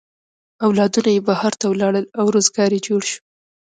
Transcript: اولادونه یې بهر ته ولاړل او روزگار یې جوړ شو.